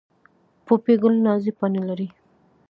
پوپی ګل نازکې پاڼې لري